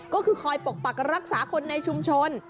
ก็คือคอยปกปักรักษาคนในชุมชน